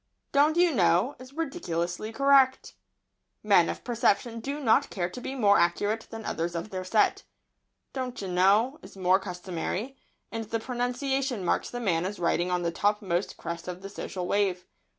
"Don't you know" is ridiculously correct. Men of perception do not care to be more accurate than others of their set. "Don't chi know" is more customary, and the pronunciation marks the man as riding on the topmost crest of the social wave.